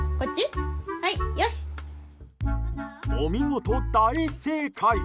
お見事、大正解。